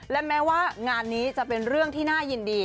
และแม้ว่างานนี้จะเป็นเรื่องที่น่ายินดี